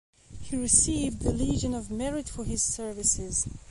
He received the Legion of Merit for his services.